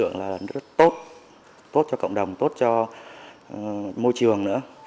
nó rất tốt tốt cho cộng đồng tốt cho môi trường nữa